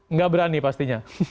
nggak berani pastinya